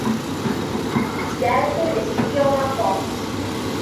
Its director is Fiona Fox.